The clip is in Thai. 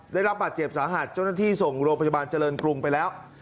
ได้รับบาดเจ็บสาหัสเจ้าหน้าที่ส่งโรงพยาบาลเจริญกรุงไปแล้ว